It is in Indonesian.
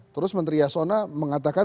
terus menteri yasona mengatakan